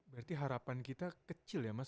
berarti harapan kita kecil ya mas